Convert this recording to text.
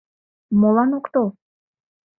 — Молан ок тол?